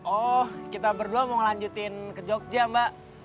oh kita berdua mau ngelanjutin ke jogja mbak